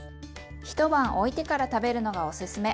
一晩おいてから食べるのがおすすめ。